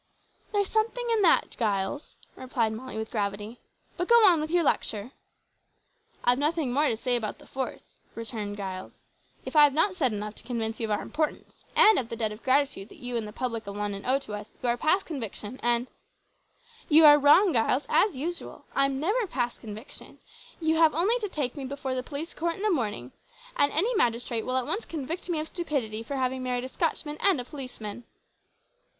"There's something in that, Giles," replied Molly with gravity, "but go on with your lecture." "I've nothing more to say about the force," returned Giles; "if I have not said enough to convince you of our importance, and of the debt of gratitude that you and the public of London owe to us, you are past conviction, and " "You are wrong, Giles, as usual; I am never past conviction; you have only to take me before the police court in the morning, and any magistrate will at once convict me of stupidity for having married a Scotchman and a policeman!"